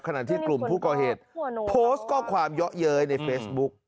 ขณะที่กลุ่มผู้ก่อเหตุโพสต์ข้อความเยอะเย้ยในเฟซบุ๊ก